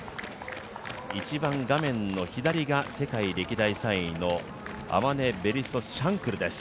一番画面の左が世界歴代３位のアマネ・ベリソ・シャンクルです。